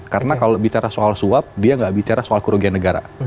karena kalau bicara soal suap dia nggak bicara soal kerugian negara